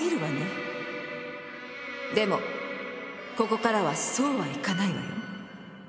でもここからはそうはいかないわよ。